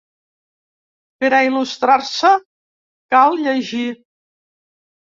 Per a il·lustrar-se, cal llegir.